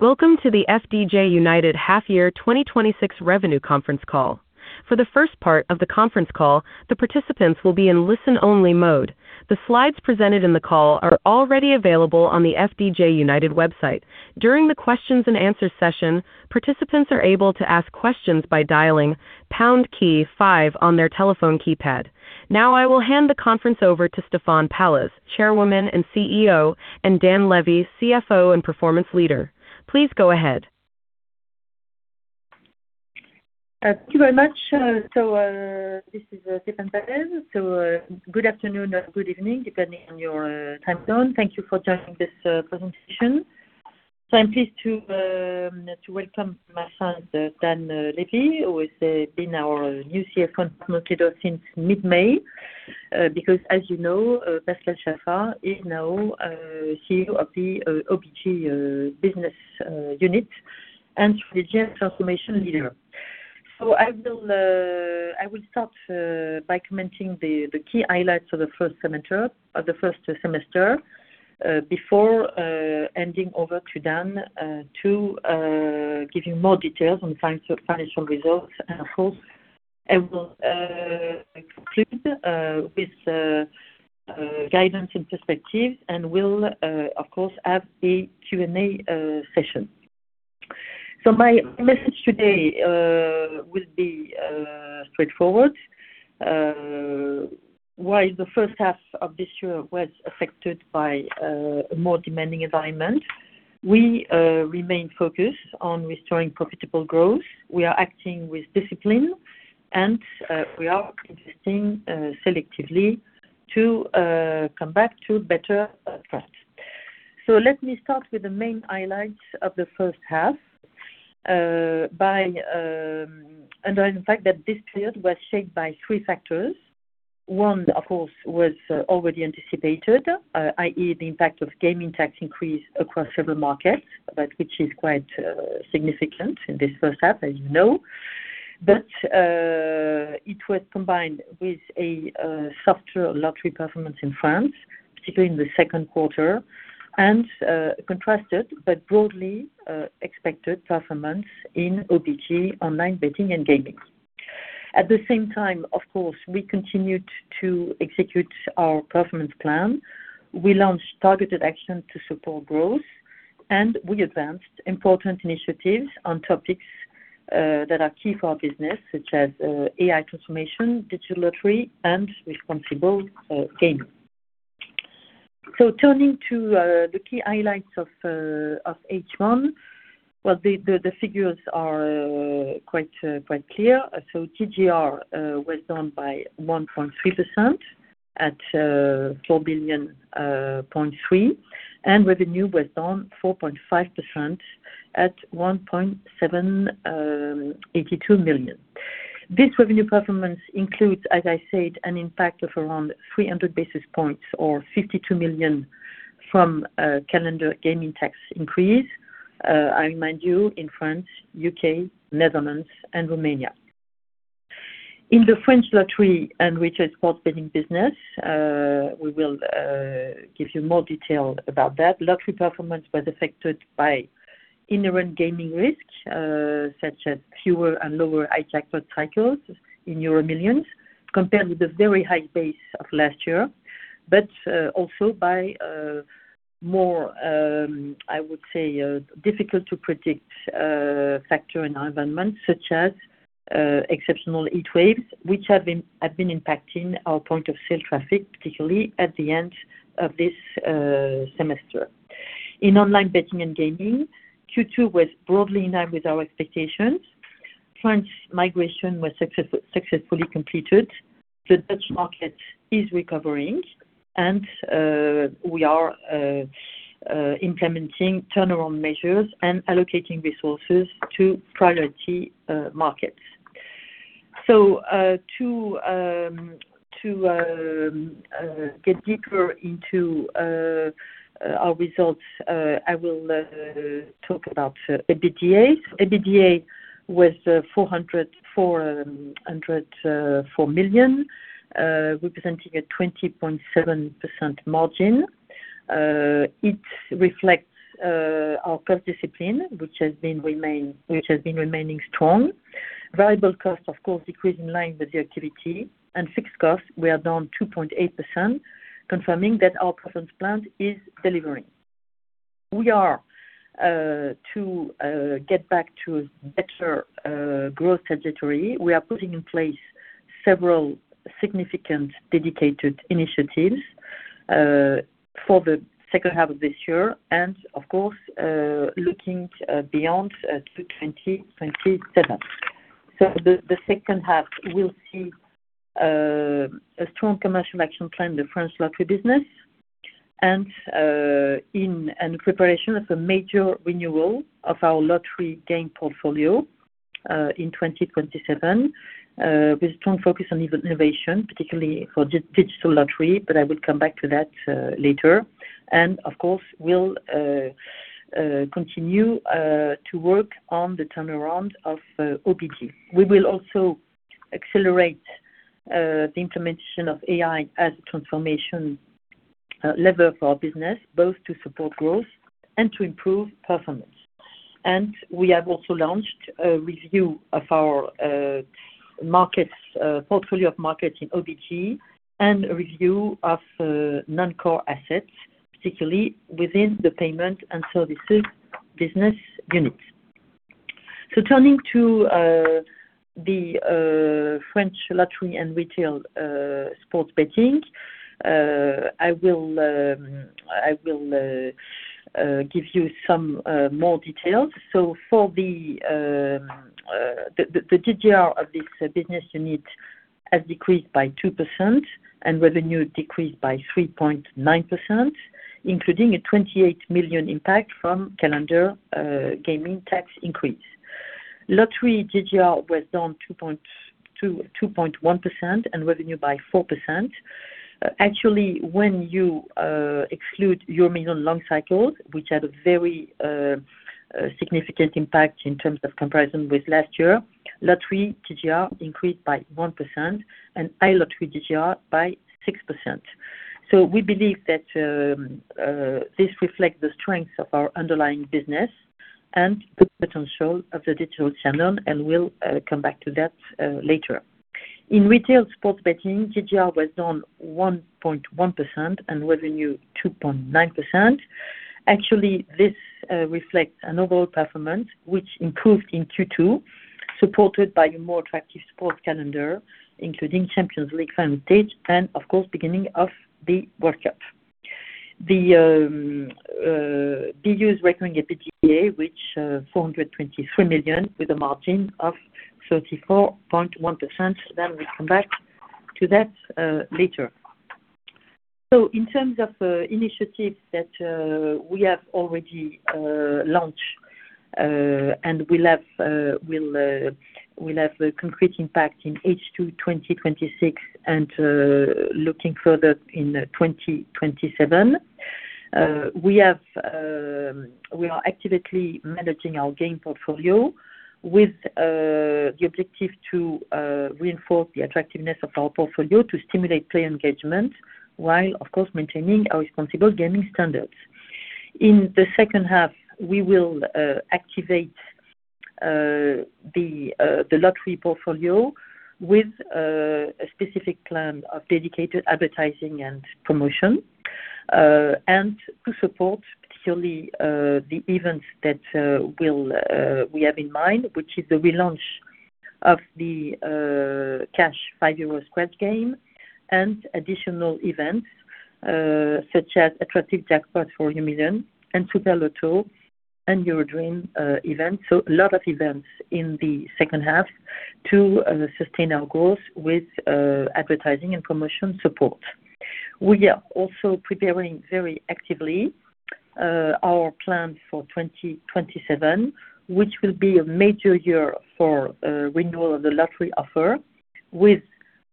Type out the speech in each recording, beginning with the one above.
Welcome to the FDJ United Half-Year 2026 Revenue Conference Call. For the first part of the conference call, the participants will be in listen-only mode. The slides presented in the call are already available on the FDJ United website. During the questions and answers session, participants are able to ask questions by dialing pound key five on their telephone keypad. Now I will hand the conference over to Stéphane Pallez, Chairwoman and CEO, and Dan Lévy, CFO and Performance Leader. Please go ahead. Thank you very much. This is Stéphane Pallez. Good afternoon or good evening, depending on your time zone. Thank you for joining this presentation. I am pleased to welcome my friend Dan Lévy, who has been our new CFO and Performance Leader since mid-May. As you know, Pascal Chaffard is now CEO of the OBG Business Unit and Strategic Transformation Leader. I will start by commenting the key highlights of the first semester before handing over to Dan to give you more details on financial results. Of course, I will conclude with guidance and perspective and we will, of course, have a Q&A session. My message today will be straightforward. While the first half of this year was affected by a more demanding environment, we remain focused on restoring profitable growth. We are acting with discipline, we are competing selectively to come back to better trust. Let me start with the main highlights of the first half under the fact that this period was shaped by three factors. One, of course, was already anticipated, i.e., the impact of gaming tax increase across several markets, which is quite significant in this first half, as you know. It was combined with a softer lottery performance in France, particularly in the second quarter, and contrasted but broadly expected performance in OBG online betting and gaming. At the same time, of course, we continued to execute our performance plan. We launched targeted action to support growth, we advanced important initiatives on topics that are key for our business, such as AI transformation, digital lottery, and responsible gaming. Turning to the key highlights of H1. The figures are quite clear. GGR was down by 1.3% at 4.3 billion, revenue was down 4.5% at 1.782 million. This revenue performance includes, as I said, an impact of around 300 basis points or 52 million from calendar gaming tax increase. I remind you, in France, U.K., Netherlands, and Romania. In the French lottery and retail sports betting business, we will give you more detail about that. Lottery performance was affected by inherent gaming risks, such as fewer and lower high jackpot cycles in EuroMillions compared with the very high base of last year. Also by more, I would say, difficult to predict factor environments, such as exceptional heat waves, which have been impacting our point-of-sale traffic, particularly at the end of this semester. In online betting and gaming, Q2 was broadly in line with our expectations. French migration was successfully completed. The Dutch market is recovering. We are implementing turnaround measures and allocating resources to priority markets. To get deeper into our results, I will talk about EBITDA. EBITDA was 404 million, representing a 20.7% margin. It reflects our cost discipline, which has been remaining strong. Variable costs, of course, decreased in line with the activity. Fixed costs were down 2.8%, confirming that our performance plan is delivering. To get back to better growth trajectory, we are putting in place several significant dedicated initiatives for the H2 of this year and, of course, looking beyond to 2027. The H2 will see a strong commercial action plan in the French lottery business and in preparation of a major renewal of our lottery game portfolio in 2027 with a strong focus on innovation, particularly for digital lottery, I will come back to that later. Of course, we'll continue to work on the turnaround of OBG. We will also accelerate the intervention of AI as a transformation lever for our business, both to support growth and to improve performance. We have also launched a review of our portfolio of markets in OBG, and a review of non-core assets, particularly within the payment and services business units. Turning to the French lottery and retail sports betting. I will give you some more details. The GGR of this business unit has decreased by 2%, and revenue decreased by 3.9%, including a 28 million impact from calendar gaming tax increase. Lottery GGR was down 2.1%, and revenue by 4%. Actually, when you exclude EuroMillions long cycles, which had a very significant impact in terms of comparison with last year, lottery GGR increased by 1% and iLottery GGR by 6%. We believe that this reflects the strength of our underlying business and the potential of the digital channel. We'll come back to that later. In retail sports betting, GGR was down 1.1% and revenue 2.9%. Actually, this reflects an overall performance which improved in Q2, supported by a more attractive sports calendar, including Champions League final stage and, of course, beginning of the World Cup. The BU's recurring EBITDA, which 423 million with a margin of 34.1%. We come back to that later. In terms of initiatives that we have already launched, and will have a concrete impact in H2 2026 and looking further in 2027. We are actively managing our game portfolio with the objective to reinforce the attractiveness of our portfolio to stimulate player engagement, while, of course, maintaining our responsible gaming standards. In the H2, we will activate the lottery portfolio with a specific plan of dedicated advertising and promotion. To support particularly the events that we have in mind, which is the relaunch of the Cash five-year scratch game and additional events such as attractive jackpot for EuroMillions and Super Loto and EuroDreams event. A lot of events in the H2 to sustain our growth with advertising and promotion support. We are also preparing very actively our plan for 2027, which will be a major year for renewal of the lottery offer with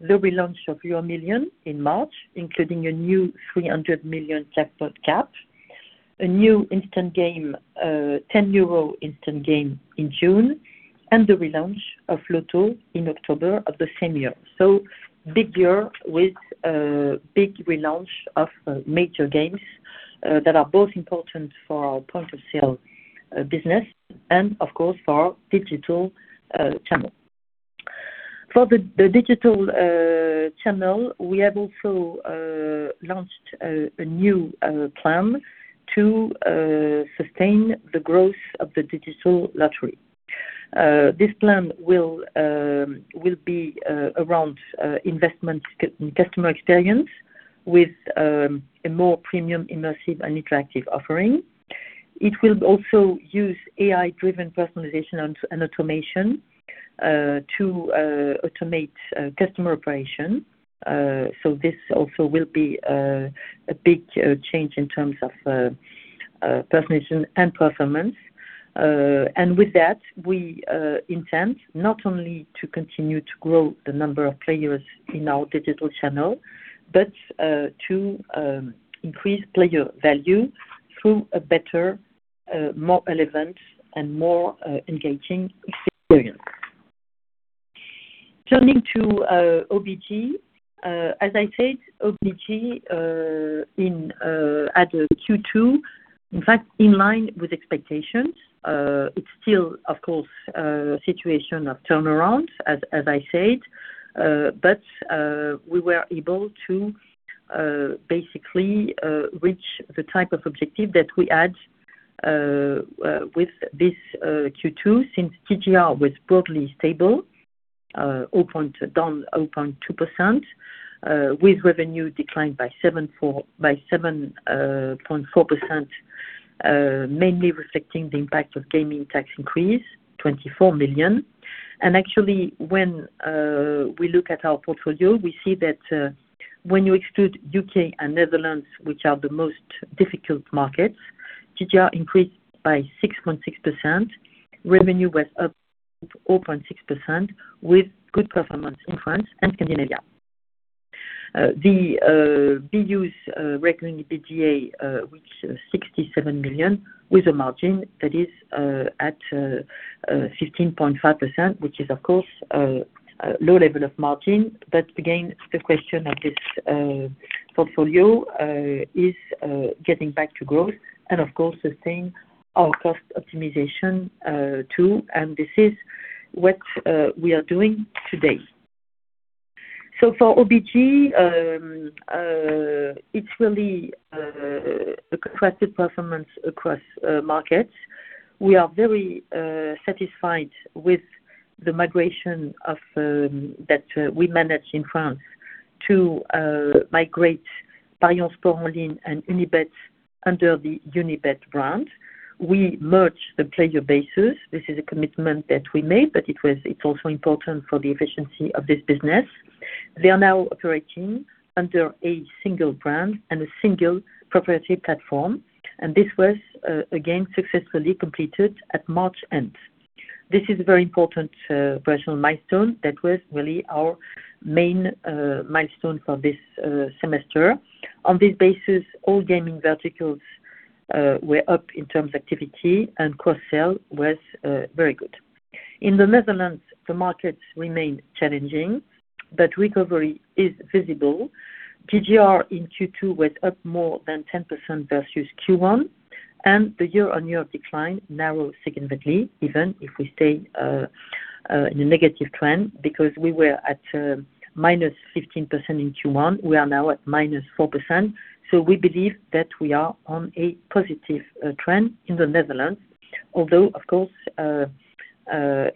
the relaunch of EuroMillions in March, including a new 300 million jackpot cap. A new instant game, 10 euro instant game in June, and the relaunch of Lotto in October of the same year. Big year with big relaunch of major games that are both important for our point of sale business and, of course, for our digital channel. For the digital channel, we have also launched a new plan to sustain the growth of the digital lottery. This plan will be around investment in customer experience with a more premium, immersive, and interactive offering. It will also use AI-driven personalization and automation to automate customer operations. This also will be a big change in terms of personalization and performance. With that, we intend not only to continue to grow the number of players in our digital channel, but to increase player value through a better, more relevant, and more engaging experience. Turning to OBG. As I said, OBG at Q2, in fact, in line with expectations. It's still, of course, a situation of turnaround, as I said. We were able to basically reach the type of objective that we had with this Q2. Since GGR was broadly stable, down 0.2%, with revenue declined by 7.4%, mainly reflecting the impact of gaming tax increase, 24 million. Actually, when we look at our portfolio, we see that when you exclude U.K. and Netherlands, which are the most difficult markets, GGR increased by 6.6%. Revenue was up 0.6%, with good performance in France and Scandinavia. The BU's recurring EBITDA reached 67 million with a margin that is at 15.5%, which is, of course, a low level of margin. Again, the question of this portfolio is getting back to growth and, of course, sustain our cost optimization too. This is what we are doing today. For OBG, it's really a contrasted performance across markets. We are very satisfied with the migration that we managed in France to migrate ParionsSport en Ligne and Unibet under the Unibet brand. We merged the player bases. This is a commitment that we made, but it's also important for the efficiency of this business. They are now operating under a single brand and a single proprietary platform, this was, again, successfully completed at March end. This is a very important personal milestone. That was really our main milestone for this semester. On this basis, all gaming verticals were up in terms of activity, and cross-sell was very good. In the Netherlands, the markets remain challenging, but recovery is visible. GGR in Q2 was up more than 10% versus Q1, and the year-on-year decline narrowed significantly, even if we stay in a negative trend, because we were at -15% in Q1. We are now at -4%. We believe that we are on a positive trend in the Netherlands, although, of course,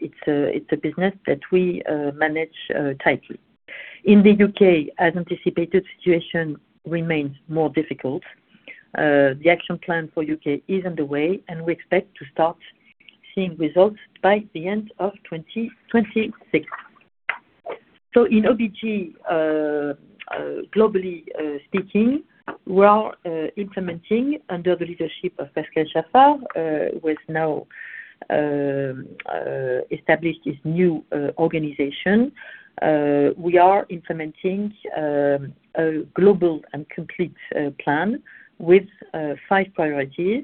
it's a business that we manage tightly. In the U.K., as anticipated, situation remains more difficult. The action plan for U.K. is underway, and we expect to start seeing results by the end of 2026. In OBG, globally speaking, we are implementing under the leadership of Pascal Chaffard, who has now established his new organization. We are implementing a global and complete plan with five priorities.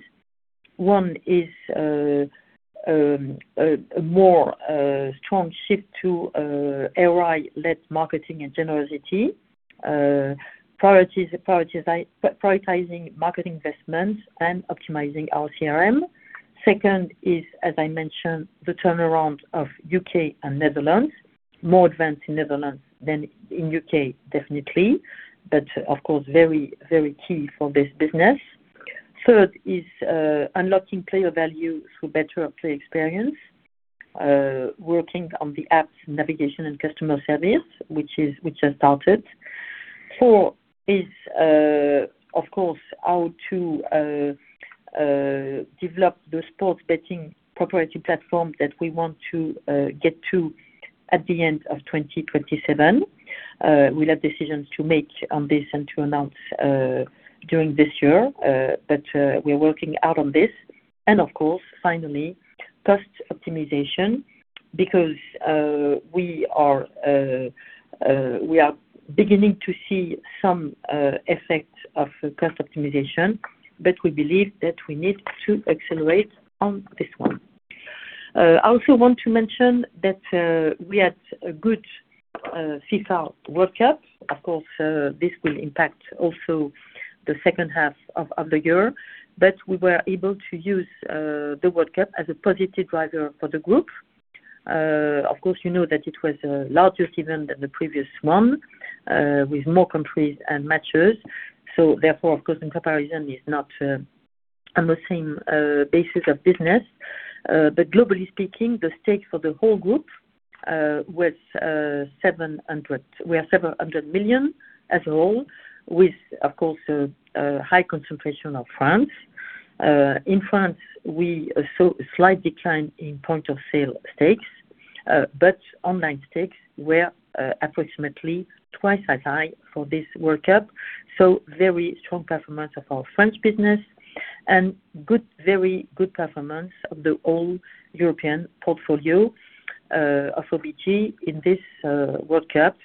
One is a more strong shift to AI-led marketing and generosity. Prioritizing market investments and optimizing our CRM. Second is, as I mentioned, the turnaround of U.K. and Netherlands. More advanced in Netherlands than in U.K., definitely. But of course, very key for this business. Third is unlocking player value through better player experience. Working on the apps navigation and customer service, which has started. Four is, of course, how to develop the sports betting proprietary platform that we want to get to at the end of 2027. We'll have decisions to make on this and to announce during this year. We're working out on this. Of course, finally, cost optimization, because we are beginning to see some effects of cost optimization, but we believe that we need to accelerate on this one. I also want to mention that we had a good FIFA World Cup. Of course, this will impact also the second half of the year. We were able to use the World Cup as a positive driver for the group. Of course, you know that it was a larger event than the previous one, with more countries and matches. Therefore, of course, in comparison, it's not on the same basis of business. Globally speaking, the stake for the whole group, we are 700 million as a whole, with, of course, a high concentration of France. In France, we saw a slight decline in point of sale stakes, but online stakes were approximately twice as high for this World Cup. Very strong performance of our French business and very good performance of the whole European portfolio of OBG in this World Cup.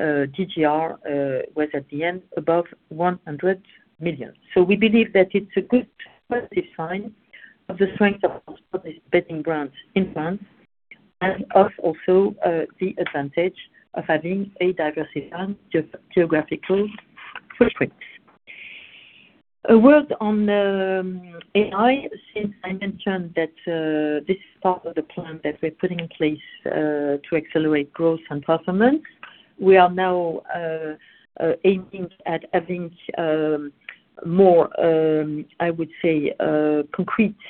GGR was at the end above 100 million. We believe that it's a good positive sign of the strength of sports betting brands in France and of also the advantage of having a diversified geographical footprint. A word on AI, since I mentioned that this is part of the plan that we're putting in place to accelerate growth and performance. We are now aiming at having more, I would say, concrete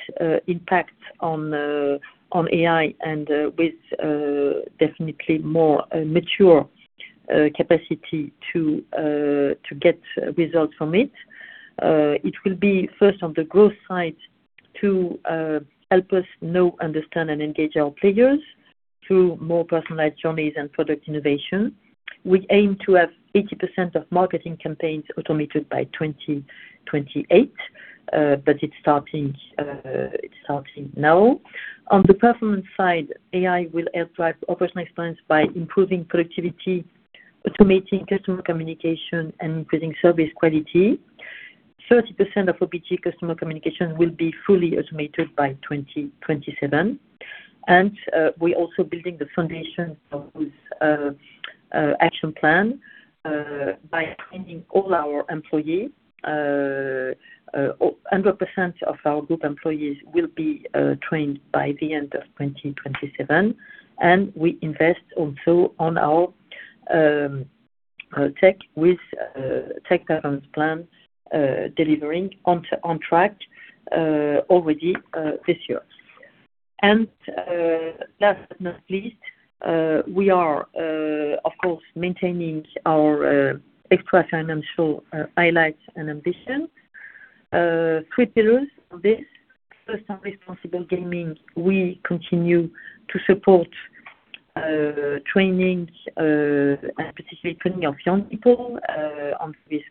impact on AI and with definitely more mature capacity to get results from it. It will be first on the growth side to help us know, understand, and engage our players through more personalized journeys and product innovation. We aim to have 80% of marketing campaigns automated by 2028. It's starting now. On the performance side, AI will help drive operational excellence by improving productivity, automating customer communication, and increasing service quality. 30% of FDJ customer communication will be fully automated by 2027. We're also building the foundation of action plan by training all our employees. 100% of our group employees will be trained by the end of 2027. We invest also on our tech with tech governance plan delivering on track already this year. Last but not least, we are, of course, maintaining our extra-financial highlights and ambition. Three pillars of this. First, on responsible gaming, we continue to support training, and particularly training of young people on this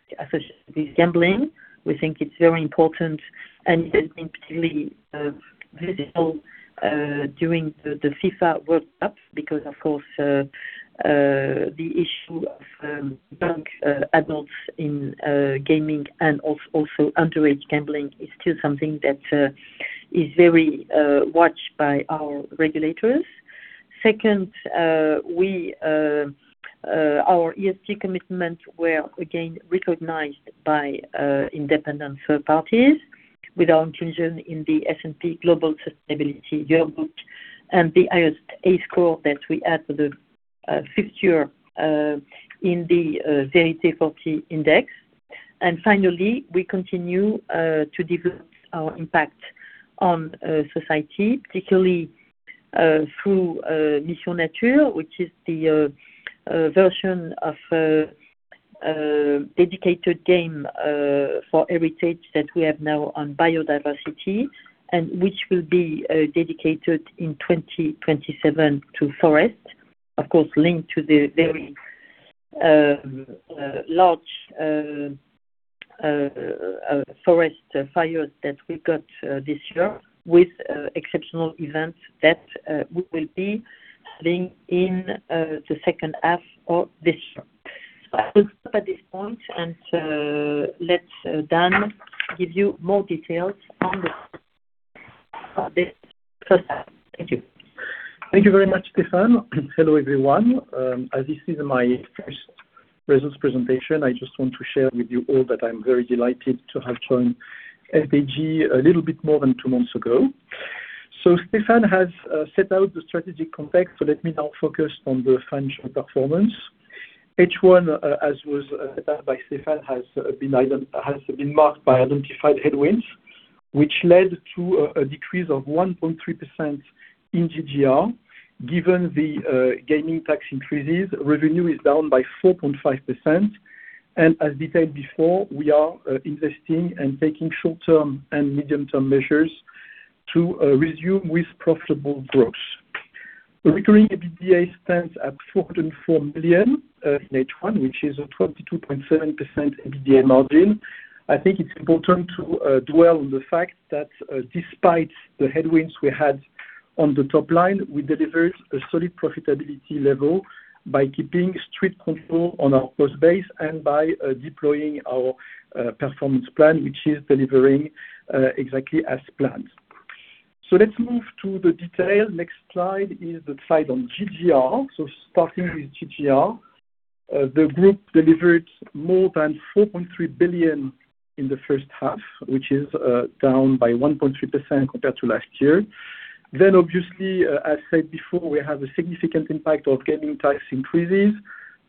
gambling. We think it's very important, and it has been particularly visible during the FIFA World Cups because, of course, the issue of drunk adults in gaming and also underage gambling is still something that is very watched by our regulators. Second, our ESG commitments were again recognized by independent third parties with our inclusion in the S&P Global Sustainability Yearbook and the highest A score that we had for the fifth year in the Vérité40 index. Finally, we continue to develop our impact on society, particularly through Mission Nature, which is the version of dedicated game for heritage that we have now on biodiversity and which will be dedicated in 2027 to forest, of course, linked to the very large forest fires that we got this year with exceptional events that we will be having in the second half of this year. I will stop at this point and let Dan give you more details on this first half. Thank you. Thank you very much, Stéphane. Hello, everyone. As this is my first results presentation, I just want to share with you all that I am very delighted to have joined FDJ a little bit more than two months ago. Stéphane has set out the strategic context, let me now focus on the financial performance. H1, as was said by Stéphane, has been marked by identified headwinds, which led to a decrease of 1.3% in GGR. Given the gaming tax increases, revenue is down by 4.5%, and as detailed before, we are investing and taking short-term and medium-term measures to resume with profitable growth. Recurring EBITDA stands at 404 million in H1, which is a 22.7% EBITDA margin. I think it is important to dwell on the fact that despite the headwinds we had on the top line, we delivered a solid profitability level by keeping strict control on our cost base and by deploying our performance plan, which is delivering exactly as planned. Let us move to the detail. Next slide is the slide on GGR. Starting with GGR, the group delivered more than 4.3 billion in the first half, which is down by 1.3% compared to last year. Obviously, as said before, we have a significant impact of gaming tax increases.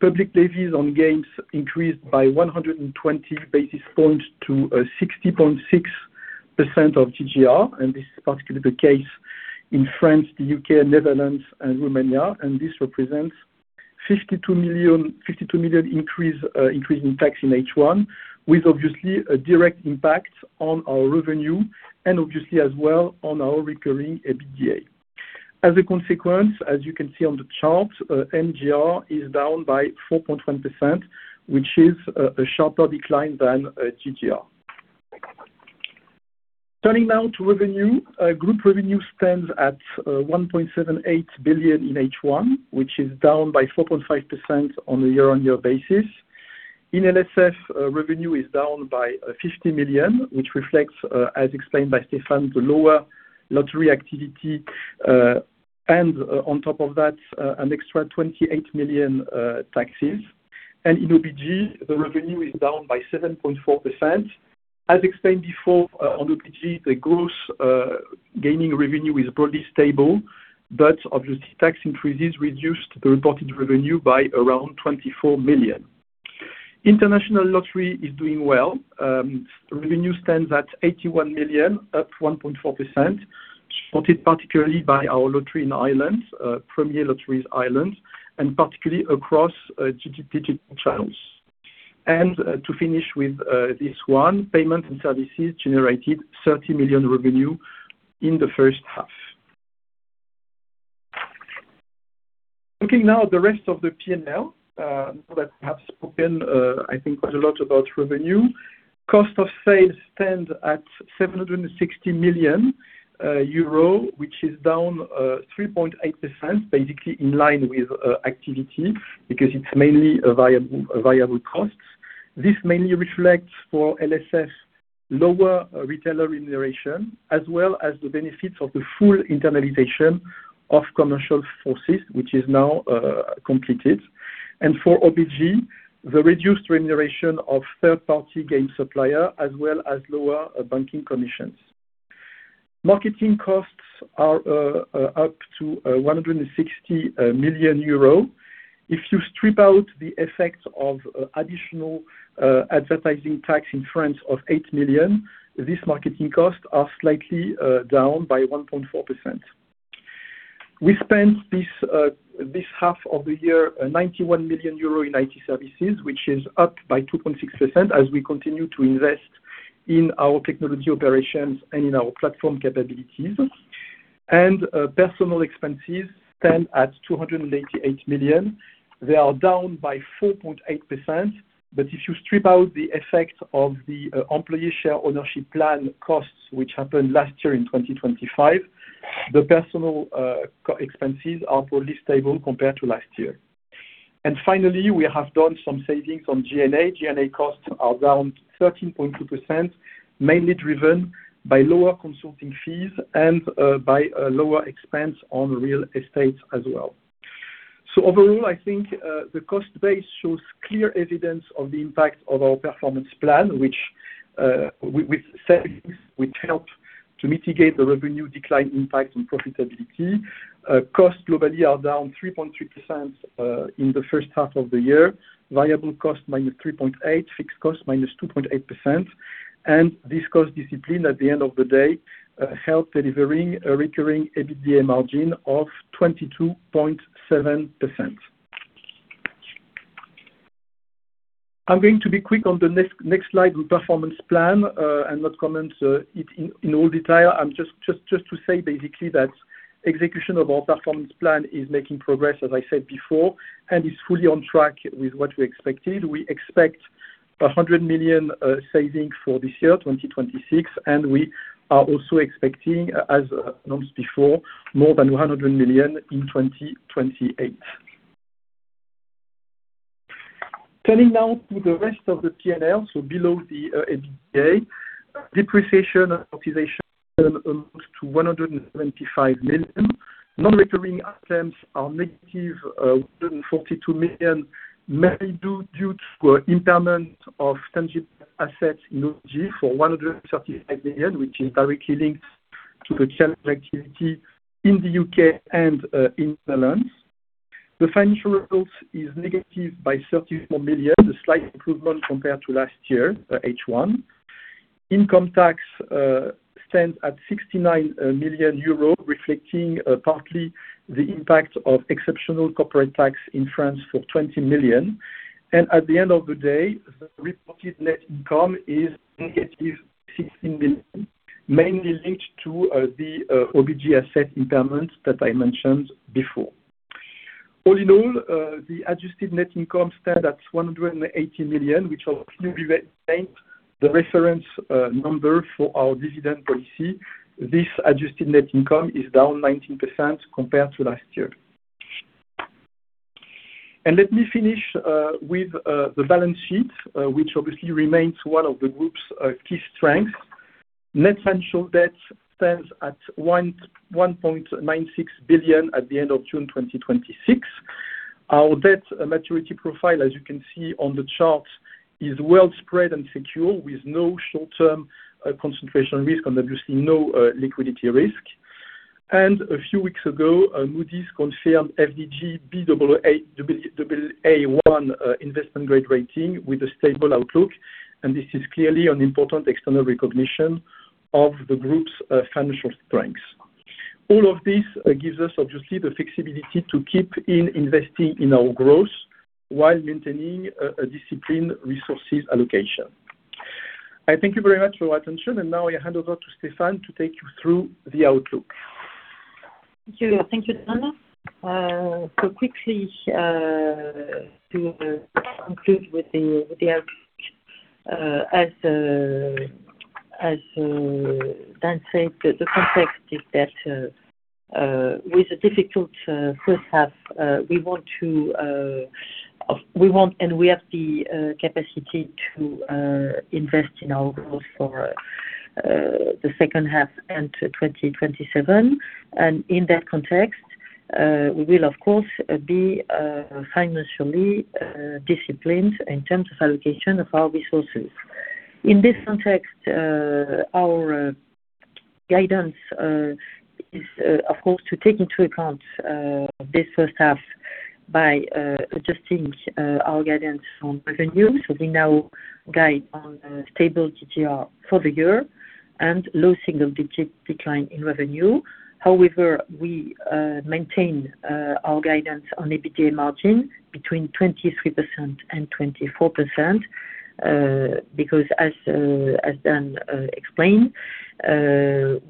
Public levies on games increased by 120 basis points to 60.6% of GGR, and this is particularly the case in France, the U.K., Netherlands, and Romania. This represents 52 million increase in tax in H1, with obviously a direct impact on our revenue and obviously as well on our recurring EBITDA. As a consequence, as you can see on the chart, NGR is down by 4.1%, which is a sharper decline than GGR. Turning now to revenue. Group revenue stands at 1.78 billion in H1, which is down by 4.5% on a year-on-year basis. In LSF, revenue is down by 50 million, which reflects, as explained by Stéphane, the lower lottery activity, and on top of that, an extra 28 million taxes. In OBG, the revenue is down by 7.4%. As explained before, on OBG, the gross gaming revenue is broadly stable, but obviously tax increases reduced the reported revenue by around 24 million. International Lottery is doing well. Revenue stands at 81 million, up 1.4%, supported particularly by our lottery in Ireland, Premier Lotteries Ireland, and particularly across digital channels. To finish with this one, payment and services generated 30 million revenue in the first half. Looking now at the rest of the P&L, I think quite a lot about revenue. Cost of sales stand at 760 million euro, which is down 3.8%, basically in line with activity because it's mainly a variable cost. This mainly reflects for LSF, lower retailer remuneration, as well as the benefits of the full internalization of commercial forces, which is now completed. For OBG, the reduced remuneration of third-party game supplier as well as lower banking commissions. Marketing costs are up to 160 million euro. If you strip out the effect of additional advertising tax in France of 8 million, this marketing costs are slightly down by 1.4%. We spent this half of the year 91 million euro in IT services, which is up by 2.6% as we continue to invest in our technology operations and in our platform capabilities. Personal expenses stand at 288 million. They are down by 4.8%, but if you strip out the effect of the employee share ownership plan costs, which happened last year in 2025, the personal expenses are probably stable compared to last year. Finally, we have done some savings on G&A. G&A costs are down 13.2%, mainly driven by lower consulting fees and by lower expense on real estate as well. Overall, I think, the cost base shows clear evidence of the impact of our performance plan, which with savings, which help to mitigate the revenue decline impact on profitability. Costs globally are down 3.3% in the first half of the year. Variable costs minus 3.8%, fixed costs minus 2.8%, this cost discipline at the end of the day, helped delivering a recurring EBITDA margin of 22.7%. I'm going to be quick on the next slide with performance plan, and not comment it in all detail. Just to say basically that execution of our performance plan is making progress, as I said before, and is fully on track with what we expected. We expect 100 million savings for this year, 2026, and we are also expecting, as announced before, more than 100 million in 2028. Turning now to the rest of the P&L, below the EBITDA. Depreciation and amortization amount to 175 million. Non-recurring items are -142 million, mainly due to impairment of tangible assets in OBG for 138 million, which is directly linked to the challenge activity in the U.K. and in the Netherlands. The financial results is negative by -34 million, a slight improvement compared to last year, H1. Income tax stands at 69 million euros, reflecting partly the impact of exceptional corporate tax in France for 20 million. At the end of the day, the reported net income is -16 million, mainly linked to the OBG asset impairment that I mentioned before. All in all, the adjusted net income stand at 180 million, which obviously remains the reference number for our dividend policy. This adjusted net income is down 19% compared to last year. Let me finish with the balance sheet, which obviously remains one of the Group's key strengths. Net financial debt stands at 1.96 billion at the end of June 2026. Our debt maturity profile, as you can see on the chart, is well spread and secure with no short-term concentration risk and obviously no liquidity risk. A few weeks ago, Moody's confirmed FDJ, Baa1 investment grade rating with a stable outlook. This is clearly an important external recognition of the Group's financial strengths. All of this gives us, obviously, the flexibility to keep investing in our growth while maintaining a disciplined resources allocation. I thank you very much for your attention, and now I hand over to Stéphane to take you through the outlook. Thank you, Dan. Quickly, to conclude with the outlook. As Dan said, the context is that with a difficult first half, we want and we have the capacity to invest in our growth for the second half and to 2027. In that context, we will, of course, be financially disciplined in terms of allocation of our resources. In this context, our guidance is, of course, to take into account this first half by adjusting our guidance on revenue. We now guide on a stable GGR for the year and low single-digit decline in revenue. However, we maintain our guidance on EBITDA margin between 23% and 24%. As Dan explained,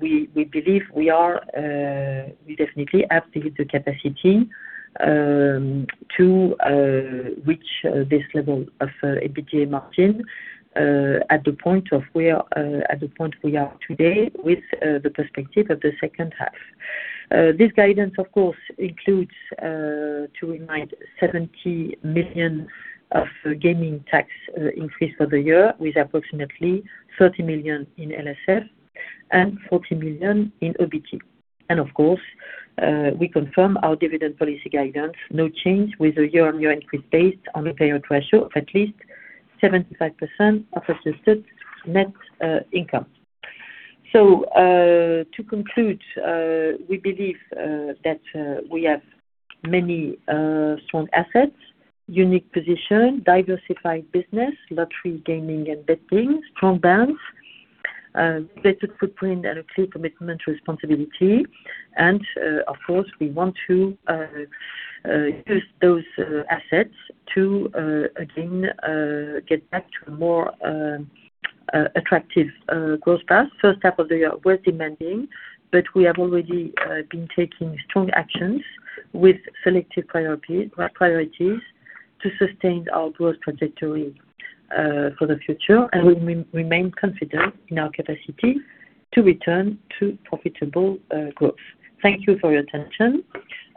we believe we definitely have the capacity to reach this level of EBITDA margin at the point we are today with the perspective of the second half. This guidance, of course, includes, to remind, 70 million of gaming tax increase for the year, with approximately 30 million in LSF and 40 million in OBG. Of course, we confirm our dividend policy guidance, no change, with a year-on-year increase based on a payout ratio of at least 75% of adjusted net income. To conclude, we believe that we have many strong assets, unique position, diversified business, lottery, gaming and betting, strong brands, better footprint and a clear commitment to responsibility. Of course, we want to use those assets to again, get back to a more attractive growth path. First half of the year was demanding, but we have already been taking strong actions with selective priorities to sustain our growth trajectory for the future. We remain confident in our capacity to return to profitable growth. Thank you for your attention,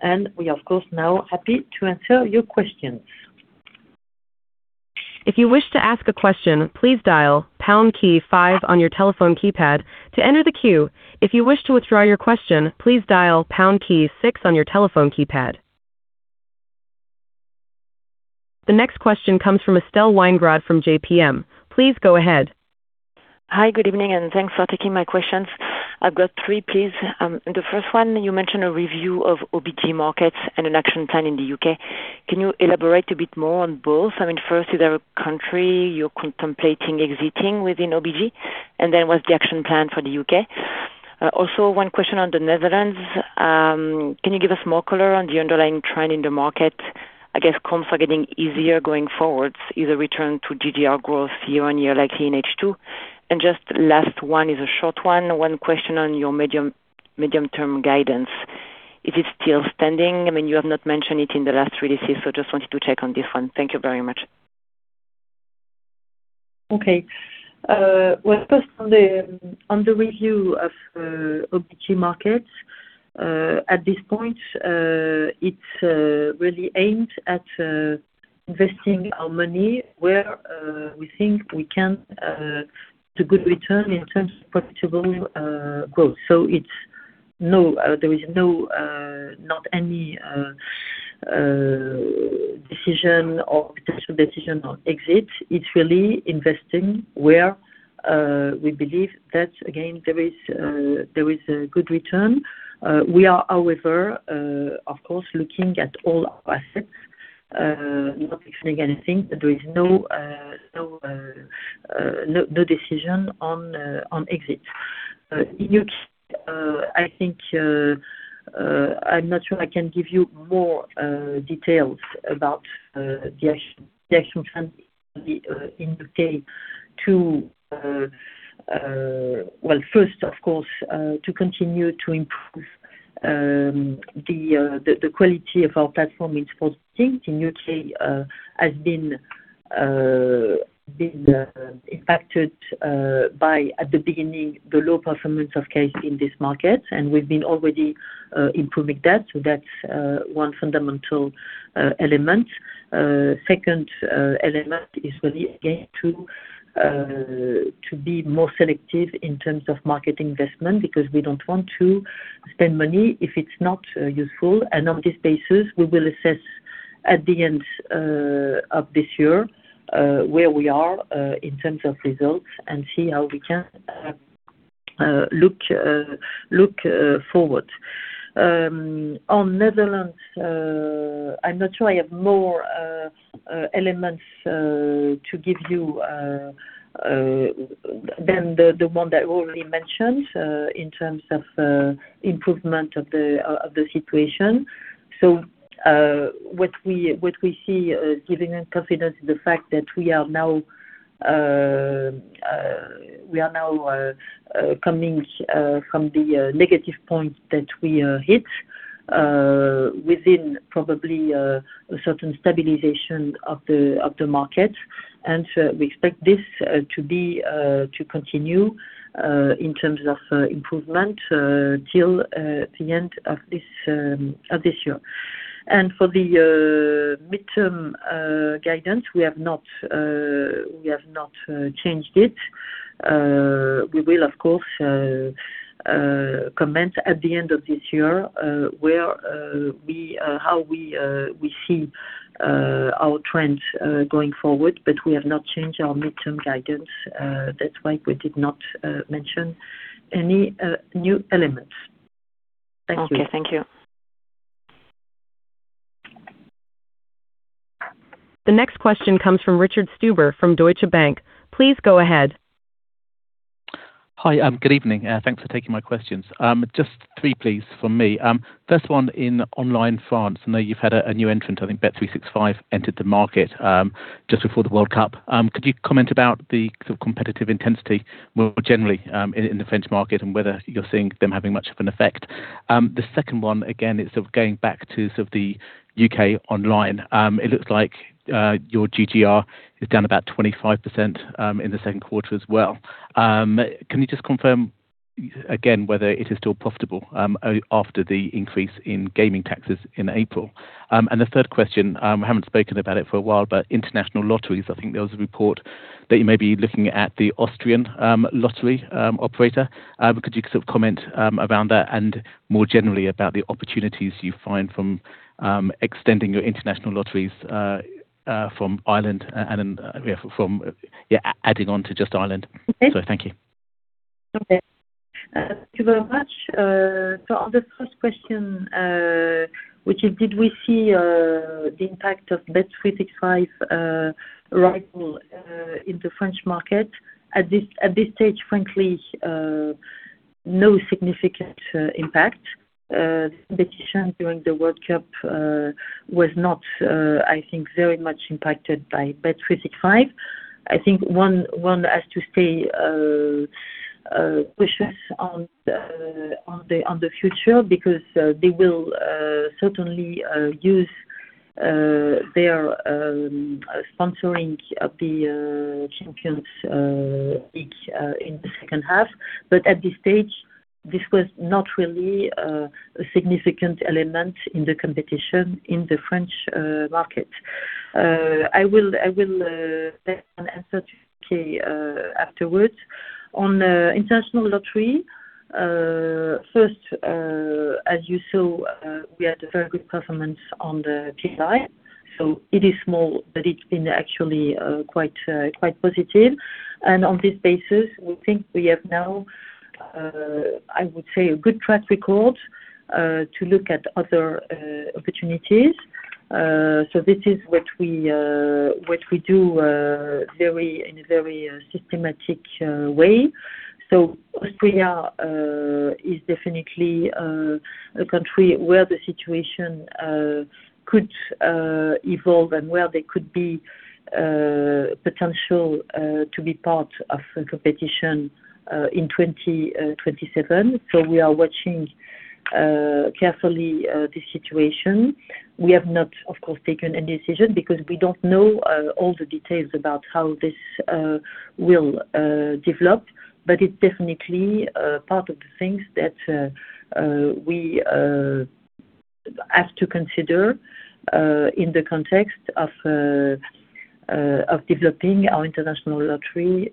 and we are of course now happy to answer your questions. If you wish to ask a question, please dial pound key five on your telephone keypad to enter the queue. If you wish to withdraw your question, please dial pound key six on your telephone keypad. The next question comes from Estelle Weingrod from JPM. Please go ahead. Hi. Good evening, thanks for taking my questions. I've got three, please. The first one, you mentioned a review of OBG markets and an action plan in the U.K. Can you elaborate a bit more on both? I mean, first, is there a country you're contemplating exiting within OBG? Then what's the action plan for the U.K.? One question on the Netherlands. Can you give us more color on the underlying trend in the market? I guess comps are getting easier going forward, either return to GGR growth year-on-year, likely in H2. Just last one is a short one. One question on your medium-term guidance. Is it still standing? I mean, you have not mentioned it in the last release, just wanted to check on this one. Thank you very much. First on the review of OBG markets. At this point, it's really aimed at investing our money where we think we can get a good return in terms of profitable growth. There is not any potential decision on exit. It's really investing where we believe that, again, there is a good return. We are, however, of course, looking at all our assets, not fixing anything. There is no decision on exit. In U.K., I'm not sure I can give you more details about the action plan in the U.K. First, of course, to continue to improve the quality of our platform in sports betting. The U.K. has been impacted by, at the beginning, the low performance of casino in this market, we've been already improving that. That's one fundamental element. Second element is really, again, to be more selective in terms of market investment, because we don't want to spend money if it's not useful. On this basis, we will assess at the end of this year where we are in terms of results and see how we can look forward. On Netherlands, I'm not sure I have more elements to give you than the one that already mentioned in terms of improvement of the situation. What we see giving us confidence is the fact that we are now coming from the negative point that we hit within probably a certain stabilization of the market. We expect this to continue, in terms of improvement, till the end of this year. For the midterm guidance, we have not changed it. We will, of course, comment at the end of this year how we see our trends going forward, but we have not changed our midterm guidance. That's why we did not mention any new elements. Thank you. Okay. Thank you. The next question comes from Richard Stuber from Deutsche Bank. Please go ahead. Hi. Good evening. Thanks for taking my questions. Just three please, from me. First one in online France. I know you've had a new entrant, I think Bet365 entered the market just before the World Cup. Could you comment about the competitive intensity more generally in the French market and whether you're seeing them having much of an effect? The second one, again, is going back to the U.K. online. It looks like your GGR is down about 25% in the second quarter as well. Can you just confirm again whether it is still profitable after the increase in gaming taxes in April? The third question, we haven't spoken about it for a while, but international lotteries. I think there was a report that you may be looking at the Austrian lottery operator. Could you comment around that and more generally about the opportunities you find from extending your international lotteries from Ireland and adding on to just Ireland? Okay. Thank you. Okay. Thank you very much. On the first question, which is did we see the impact of Bet365 arrival in the French market? At this stage, frankly, no significant impact. The competition during the World Cup was not, I think, very much impacted by Bet365. I think one has to stay cautious on the future because they will certainly use their sponsoring of the Champions League in the second half. At this stage, this was not really a significant element in the competition in the French market. I will send an answer to U.K. afterwards. On international lottery. First, as you saw, we had a very good performance on the PLI, it is small, but it's been actually quite positive. On this basis, we think we have now, I would say, a good track record to look at other opportunities. This is what we do in a very systematic way. Austria is definitely a country where the situation could evolve and where there could be potential to be part of a competition in 2027. We are watching carefully this situation. We have not, of course, taken any decision because we don't know all the details about how this will develop. It's definitely part of the things that we have to consider in the context of developing our international lottery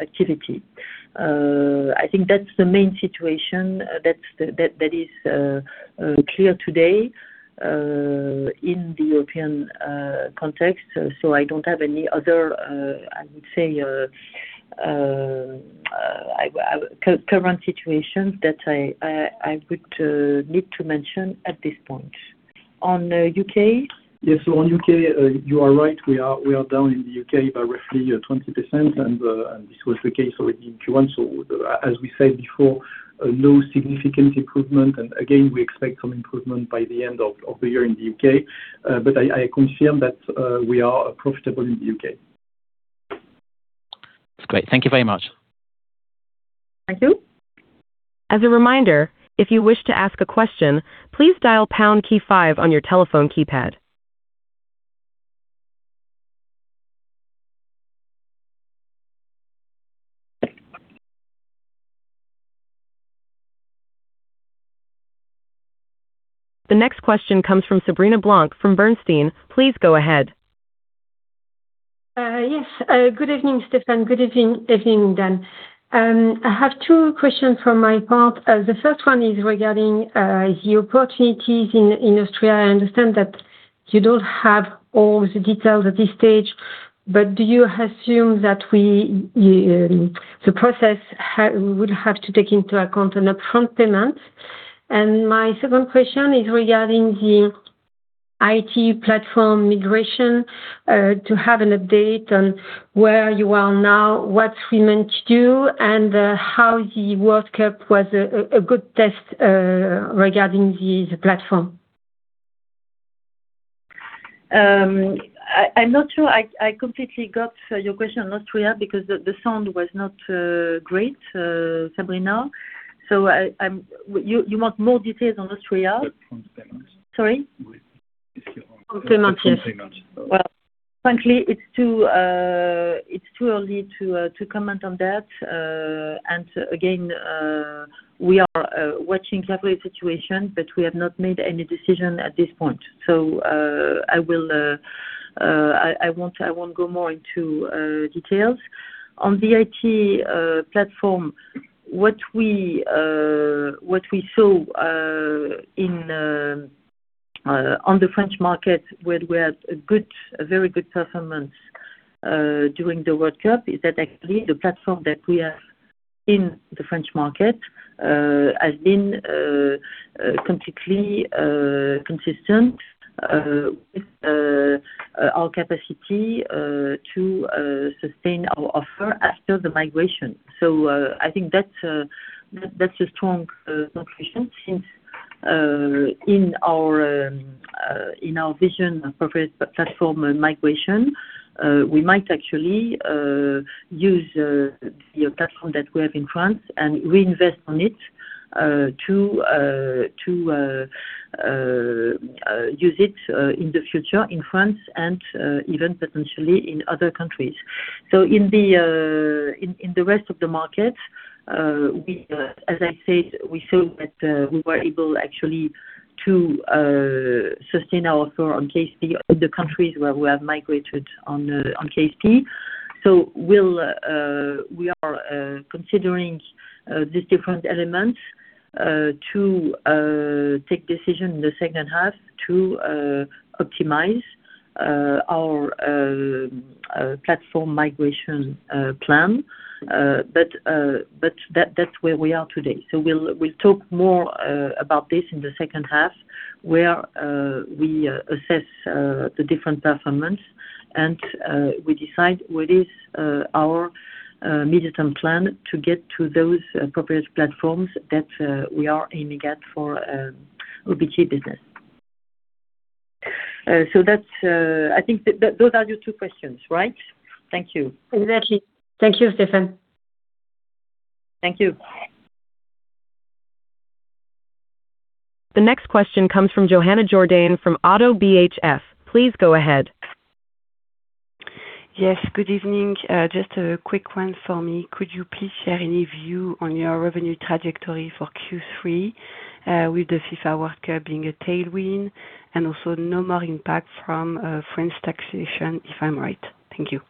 activity. I think that's the main situation that is clear today in the European context. I don't have any other, I would say, current situations that I would need to mention at this point. On U.K. Yes. On U.K., you are right. We are down in the U.K. by roughly 20%, and this was the case already in Q1. As we said before, no significant improvement. Again, we expect some improvement by the end of the year in the U.K. I confirm that we are profitable in the U.K. That's great. Thank you very much. Thank you. As a reminder, if you wish to ask a question, please dial pound key five on your telephone keypad. The next question comes from Sabrina Blanc from Bernstein. Please go ahead. Yes. Good evening, Stéphane. Good evening, Dan. I have two questions from my part. The first one is regarding the opportunities in Austria. I understand that you don't have all the details at this stage, but do you assume that the process would have to take into account an upfront payment? My second question is regarding the IT platform migration, to have an update on where you are now, what we meant to do, and how the World Cup was a good test regarding the platform. I'm not sure I completely got your question on Austria, because the sound was not great, Sabrina. You want more details on Austria? Upfront payments. Sorry. Upfront payments. Well, frankly, it's too early to comment on that. Again, we are watching carefully the situation. We have not made any decision at this point. I won't go more into details. On the IT platform, what we saw on the French market, where we had a very good performance during the World Cup, is that actually the platform that we have in the French market has been completely consistent with our capacity to sustain our offer after the migration. I think that's a strong confirmation since in our vision of progress platform migration, we might actually use the platform that we have in France and reinvest on it to use it in the future in France and even potentially in other countries. In the rest of the market, as I said, we saw that we were able actually to sustain our offer on KSP in the countries where we have migrated on KSP. We are considering these different elements to take decision in the second half to optimize our platform migration plan. That's where we are today. We'll talk more about this in the second half, where we assess the different performance and we decide what is our medium-term plan to get to those appropriate platforms that we are aiming at for OBG business. I think those are your two questions, right? Thank you. Exactly. Thank you, Stéphane. Thank you. The next question comes from Johanna Jourdain from Oddo BHF. Please go ahead. Yes, good evening. Just a quick one for me. Could you please share any view on your revenue trajectory for Q3 with the FIFA World Cup being a tailwind and also no more impact from French taxation if I'm right? Thank you.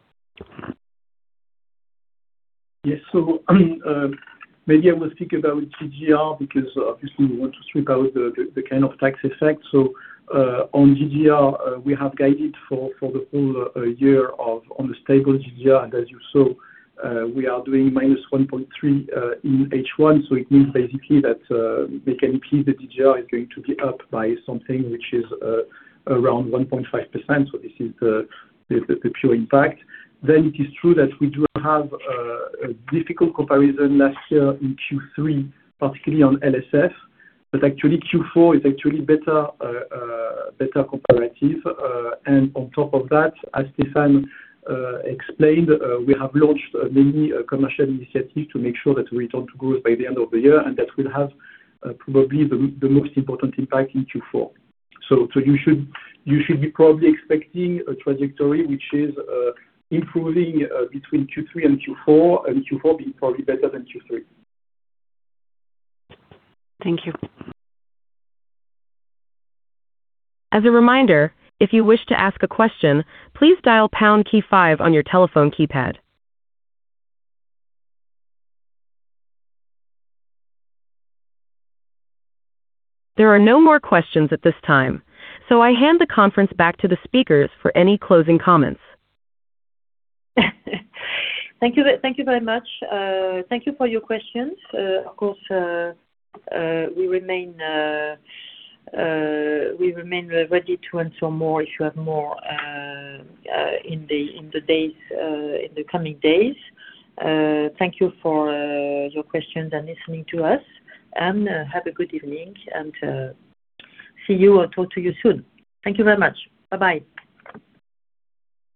Maybe I will speak about GGR because obviously we want to strip out the kind of tax effect. On GGR, we have guided for the whole year on the stable GGR. As you saw, we are doing -1.3% in H1, it means basically that we can see the GGR is going to be up by something which is around 1.5%. This is the pure impact. It is true that we do have a difficult comparison last year in Q3, particularly on LSF. Actually Q4 is actually better comparative. On top of that, as Stéphane explained, we have launched many commercial initiatives to make sure that we return to growth by the end of the year, that will have probably the most important impact in Q4. You should be probably expecting a trajectory which is improving between Q3 and Q4 being probably better than Q3. Thank you. As a reminder, if you wish to ask a question, please dial pound key five on your telephone keypad. There are no more questions at this time, I hand the conference back to the speakers for any closing comments. Thank you very much. Thank you for your questions. Of course, we remain ready to answer more if you have more in the coming days. Thank you for your questions and listening to us, and have a good evening and see you or talk to you soon. Thank you very much. Bye-bye.